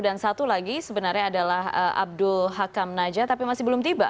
dan satu lagi sebenarnya adalah abdul hakam najah tapi masih belum tiba